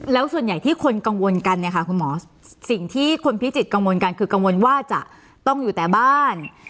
แล้วส่วนใหญ่ที่คนกังวลกันเนี่ยค่ะคุณหมอสิ่งที่คนพิจิตกังวลกันคือกังวลว่าจะต้องอยู่แต่บ้าน